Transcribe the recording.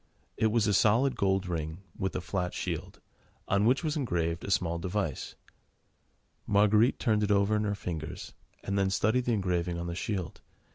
It was a solid gold ring, with a flat shield, on which was engraved a small device. Marguerite turned it over in her fingers, and then studied the engraving on the shield.